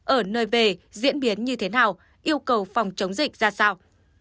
ở nơi về diễn biến như thế nào yêu cầu phòng chống dịch ra sao